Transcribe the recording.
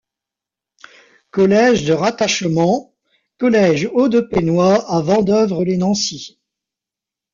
Collège de rattachement: collège Haut-de-Penoy à Vandœuvre-lès-Nancy.